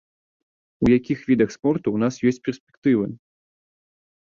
У якіх відах спорту ў нас ёсць перспектывы?